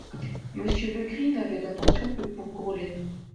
Monsieur Legris n'avait d'attention que pour Grollet.